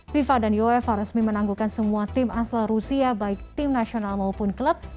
fifa dan uefa resmi menangguhkan semua tim asal rusia baik tim nasional maupun klub